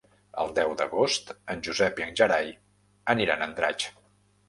El deu d'agost en Josep i en Gerai aniran a Andratx.